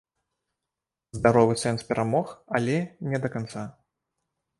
Здаровы сэнс перамог, але не да канца.